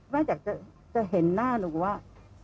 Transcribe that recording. แม่อยากจะเห็นหน้าหนูว่า